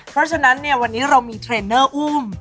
เพราะฉะนั้นเนี่ยวันนี้เรามีเทรนเนอร์อุ้ม